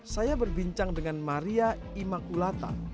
saya berbincang dengan maria imakulata